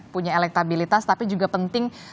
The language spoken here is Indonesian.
punya elektabilitas tapi juga penting